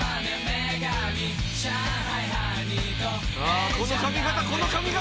あこの髪形この髪形！